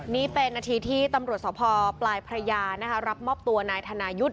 นี่เป็นนาทีที่ตำรวจสพปลายพระยารับมอบตัวนายธนายุทธ์